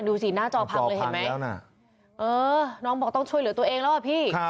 ดูสิหน้าจอพังเลยเห็นไหมเออน้องบอกต้องช่วยเหลือตัวเองแล้วอ่ะพี่